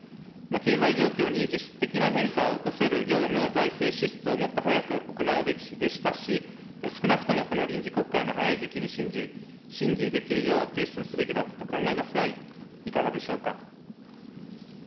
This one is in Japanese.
経済状況に実質的な変化を起こせる量の財政支出をもっと早く行うべきでしたし、少なくともこの臨時国会の早い時期に審議できるよう、提出すべきだったと考えますが、いかがでしょうか。